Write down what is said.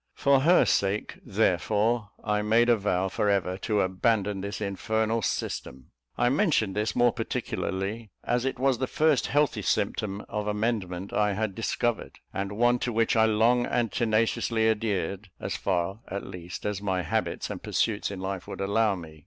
For her sake, therefore, I made a vow for ever to abandon this infernal system. I mention this more particularly as it was the first healthy symptom of amendment I had discovered, and one to which I long and tenaciously adhered, as far, at least, as my habits and pursuits in life would allow me.